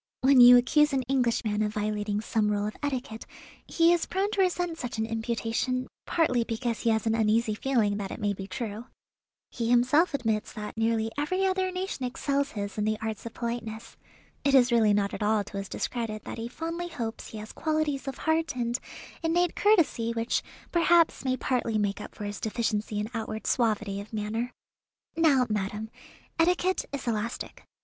When you accuse an Englishman of violating some rule of etiquette, he is prone to resent such an imputation, partly because he has an uneasy feeling that it may be true. He himself admits that nearly every other nation excels his in the arts of politeness. It is really not at all to his discredit that he fondly hopes he has qualities of heart and innate courtesy which perhaps may partly make up for his deficiency in outward suavity of manner. Now, madam, etiquette is elastic.